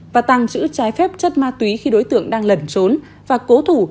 và tàng trữ trái phép chất ma túy khi đối tượng đang lẩn trốn và cố thủ